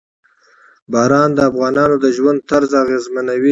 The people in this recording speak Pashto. باران د افغانانو د ژوند طرز اغېزمنوي.